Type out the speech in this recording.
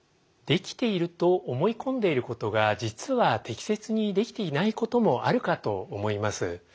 できていると思い込んでいることが実は適切にできていないこともあるかと思います。